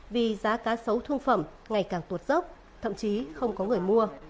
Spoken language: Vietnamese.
vì giá cá sấu thương phẩm ngày càng tuột dốc thậm chí không có người mua